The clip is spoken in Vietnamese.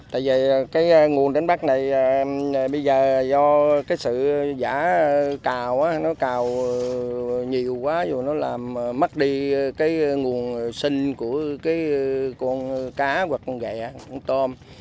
tại vì cái nguồn đánh bắt này bây giờ do cái sự giả cào nó cào nhiều quá dù nó làm mất đi cái nguồn sinh của cái con cá hoặc con ghẹ con tôm